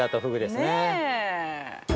◆ねえ？